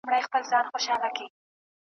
انارګل ته سجدې وړمه، کندهار ته غزل لیکم .